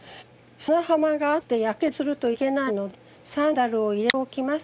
「砂浜が熱くてやけどするといけないのでサンダルを入れておきます。